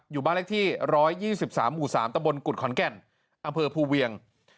อยู่บ้านเลขที่๑๒๓หมู่๓ตะบนกุฎขอนแก่นอำเภอภูเวียง